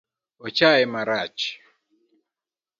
Ochaye marach